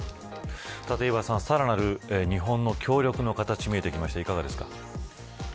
立岩さん、さらなる日本の協力の形見えてきました、いかがですか。